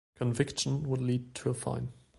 Conviction would lead to a fine.